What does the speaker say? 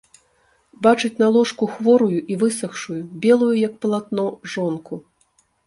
Бачыць на ложку хворую i высахшую, белую як палатно жонку...